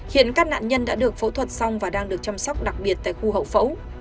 hiện các nạn nhân đã được phẫu thuật xong và đang được chăm sóc đặc biệt tại khu hậu phẫu